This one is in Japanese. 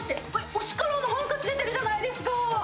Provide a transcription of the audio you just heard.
推しカラーのハンカチ出てるじゃないですか。